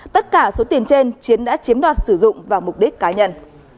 tất cả số tiền trên chiến đã chiếm đoạt sử dụng vào mục đích cá nhân